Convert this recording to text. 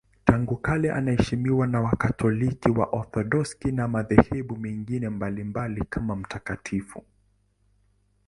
Tangu kale anaheshimiwa na Wakatoliki, Waorthodoksi na madhehebu mengine mbalimbali kama mtakatifu.